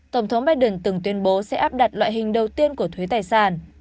tổng thống biden từng tuyên bố sẽ áp đặt loại hình đầu tiên của thuế tài sản